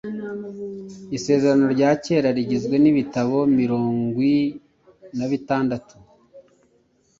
Isezerano rya Kera rigizwe n‟ibitabo mirongwinw nabitandatu